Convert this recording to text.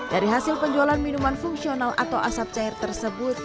dari hasil penjualan minuman fungsional atau asap cair tersebut